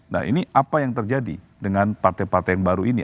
nah ini apa yang terjadi dengan partai partai yang baru ini